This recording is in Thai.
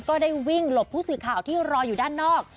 ก็ได้วิ่งหลบผู้สื่อข่าวที่รออยู่ด้านนอก